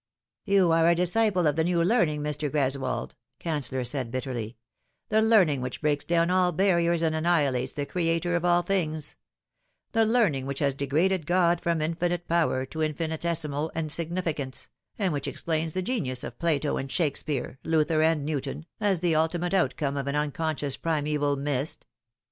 " You are a disciple of the New Learning, Mr. 05 res wold," Canceller said bitterly ;" the learning which breaks down all barriers and annihilates the Creator of all things the learning which has degraded God from infinite power to infinitesimal insignificance, and which explains the genius of Plato and Shakespeare, Luther and Newton, as the ultimate outcome of an unconscious primeval mist."